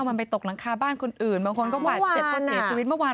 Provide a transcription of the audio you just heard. มันไปตกรังคาบ้านคนอื่นบางคนก็ปะ๗สวิทธิ์เมื่อวาน